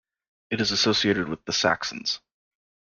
It is associated with the Saxons.